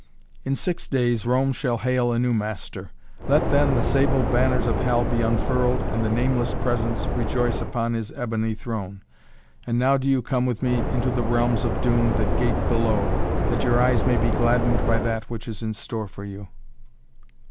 "In six days Rome shall hail a new master! Let then the sable banners of Hell be unfurled and the Nameless Presence rejoice upon his ebony throne! And now do you come with me into the realms of doom that gape below, that your eyes may be gladdened by that which is in store for you!"